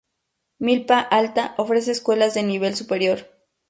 Milpa Alta ofrece escuelas de nivel superior.